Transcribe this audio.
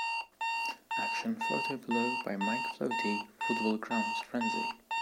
Action photo below by Mike Floate, Football Grounds Frenzy.